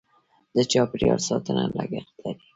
د چاپیریال ساتنه لګښت لري.